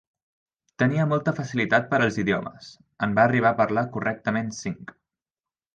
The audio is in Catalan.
Tenia molta facilitat per als idiomes, en va arribar a parlar correctament cinc.